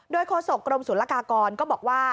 โดยโฆษกรมศุลกากรก็บอกว่า